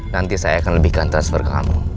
nanti saya akan lebihkan transfer ke kampung